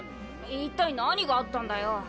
一体何があったんだよ！？